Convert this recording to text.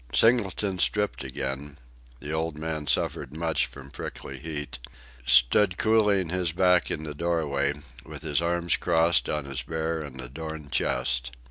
Singleton stripped again the old man suffered much from prickly heat stood cooling his back in the doorway, with his arms crossed on his bare and adorned chest.